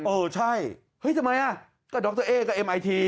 เออใช่เฮ้ยทำไมอ่ะก็ดรเอ๊ก็เอ็มไอที